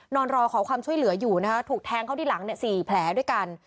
นอนรอขอความช่วยเหลืออยู่นะคะถูกแทงเข้าที่หลัง๔แผลด้วยกัน